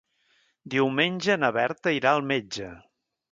Diumenge na Berta irà al metge.